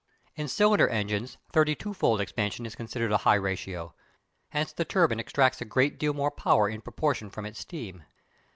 In cylinder engines thirty fold expansion is considered a high ratio; hence the turbine extracts a great deal more power in proportion from its steam.